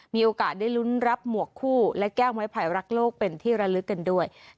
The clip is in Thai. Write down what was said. มีโอกาสได้ลุ้นรับหมวกคู่และแก้วไม้ไผ่รักโลกเป็นที่ระลึกกันด้วย